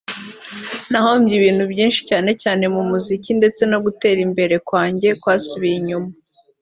nahombye ibintu byinshi cyane cyane mu muziki ndetse no gutera imbere kwanjye kwasubiye inyuma